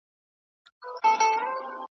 که وفا که یارانه ده په دې ښار کي بېګانه ده .